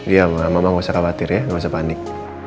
iya ma mama gak usah khawatir ya gak usah panik